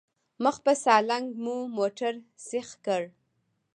مخ په سالنګ مو موټر سيخ کړ.